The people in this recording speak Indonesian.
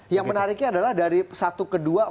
yang menariknya adalah dari satu ke dua